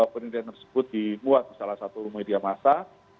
penelitian tersebut dibuat di salah satu media masa